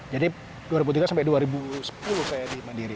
jadi dua ribu tiga sampai dua ribu sepuluh saya di mandiri